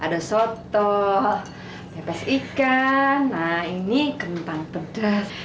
ada soto pepes ikan nah ini kentang pedas